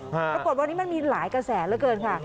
ปรากฏวันนี้มันมีหลายกระแสเหลือเกินค่ะ